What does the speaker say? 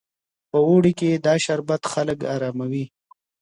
په اوړي کې دا شربت خلک اراموي.